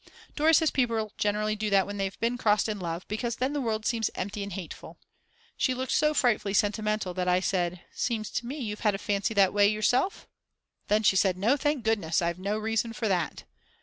Dora says people generally do that when they've been crossed in love, because then the world seems empty and hateful. She looked so frightfully sentimental that I said: Seems to me you've a fancy that way yourself? Then she said: "No, thank goodness, I've no reason for that."